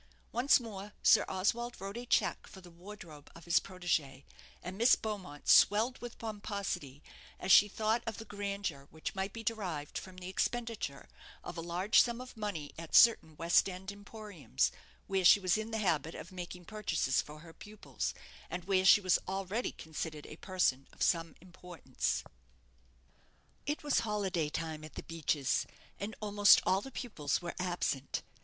Once more Sir Oswald wrote a cheque for the wardrobe of his protégée, and Miss Beaumont swelled with pomposity as she thought of the grandeur which might be derived from the expenditure of a large sum of money at certain West end emporiums where she was in the habit of making purchases for her pupils, and where she was already considered a person of some importance. It was holiday time at "The Beeches," and almost all the pupils were absent.